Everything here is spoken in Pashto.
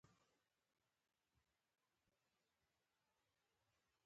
هېواد د خلکو هیلې راټولوي.